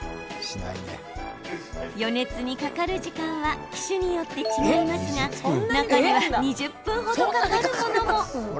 予熱にかかる時間は機種によって違いますが中には２０分程かかるものも。